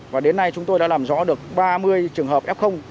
và đến nay chúng tôi đã làm rõ được ba mươi trường hợp f